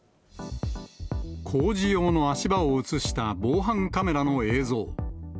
工事用の足場を写した防犯カメラの映像。